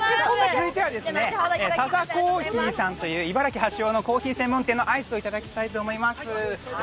続いては、サザコーヒーさんという茨城発祥のコーヒー専門店のアイスをいただきたいと思います。